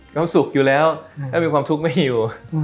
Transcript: เราสุขอยู่แล้วแล้วมีความทุกข์ไม่อยู่